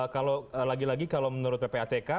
kalau lagi lagi kalau menurut ppatk